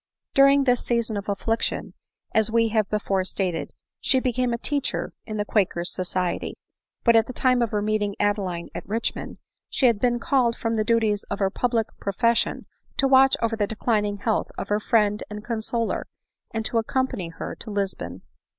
During this season of affliction, as we have before stated, she became a teacher in the quaker's society ; but at the time of her meeting Adeline at Richmond, she had been called from the duties of her public pro fession to watch over the declining health of her friend and consoler, and to accompany her to Lisbon.